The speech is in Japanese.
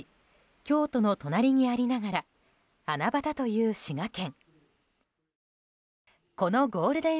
京都の隣にありながら穴場だという滋賀県。